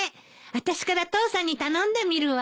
あたしから父さんに頼んでみるわ。